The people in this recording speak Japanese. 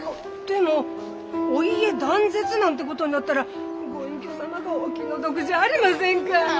でもお家断絶なんてことになったらご隠居様がお気の毒じゃありませんか。